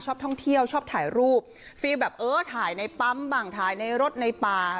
ชอบท่องเที่ยวชอบถ่ายรูป